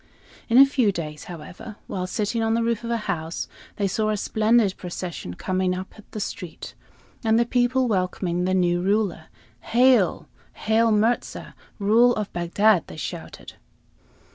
In a few days, however, while sitting on the roof of a house, they saw a splendid procession coming up the street, and the people welcoming the new ruler. "Hail! Hail Mirza, ruler of Bagdad!" they shouted.